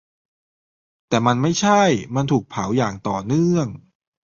แต่มันไม่ใช่ : มันถูกเผาอย่างต่อเนื่อง